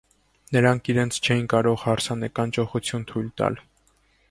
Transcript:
Նրանք իրենց չէին կարող հարսանեկան ճոխություն թույլ տալ։